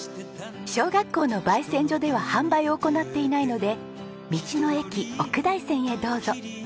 小学校の焙煎所では販売を行っていないので道の駅奥大山へどうぞ。